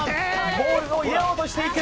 ボールを入れようとしていく。